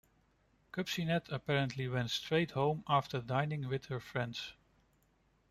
Kupcinet apparently went straight home after dining with her friends.